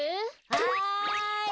はい。